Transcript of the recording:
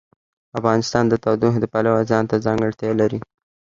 افغانستان د تودوخه د پلوه ځانته ځانګړتیا لري.